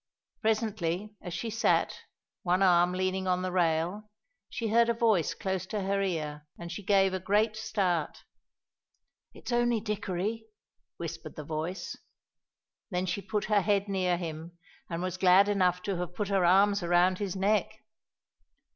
Presently, as she sat, one arm leaning on the rail, she heard a voice close to her ear, and she gave a great start. "It is only Dickory," whispered the voice. Then she put her head near him and was glad enough to have put her arms around his neck.